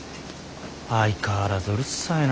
相変わらずうるさいな。